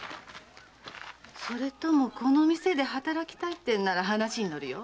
それともこの店で働きたいってんなら話に乗るよ。